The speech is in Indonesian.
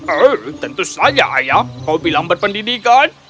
er tentu saja ayah kau bilang berpendidikan